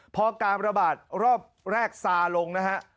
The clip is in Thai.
พอการระบาดรอบแรกซาลงนะฮะ